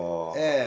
ええ。